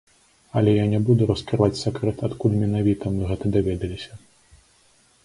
Але я не буду раскрываць сакрэт, адкуль менавіта мы гэта даведаліся.